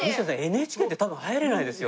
ＮＨＫって多分入れないですよ」